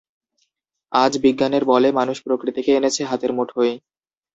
আজ বিজ্ঞানের বলে মানুষ প্রকৃতিকে এনেছে হাতের মুঠোয়।